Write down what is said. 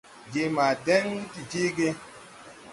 Je ma dɛŋ de jeege.